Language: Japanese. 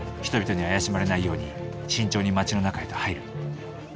人々に怪しまれないように慎重に町の中へと入る。